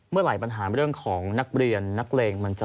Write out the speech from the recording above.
เมื่อไหร่ปัญหาเรื่องของนักเรียนนักเลงมันจะ